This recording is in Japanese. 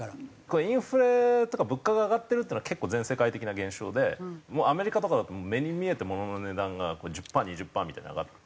これインフレとか物価が上がってるっていうのは結構全世界的な現象でもうアメリカとかだと目に見えて物の値段が１０パー２０パーみたいに上がって。